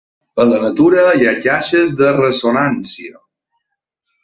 A la natura hi ha caixes de ressonància.